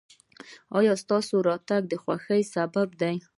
ایا ستاسو راتګ د خوښۍ سبب دی؟